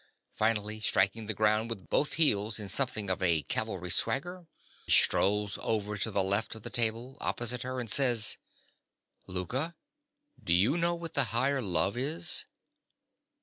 Finally, striking the ground with his heels in something of a cavalry swagger, he strolls over to the left of the table, opposite her, and says_) Louka: do you know what the higher love is?